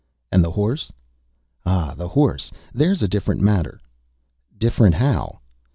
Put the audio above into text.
"And the horse?" "Ah, the horse! There's a different matter." "Different how?"